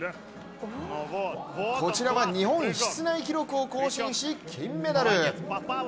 こちらは日本室内記録を更新し金メダル。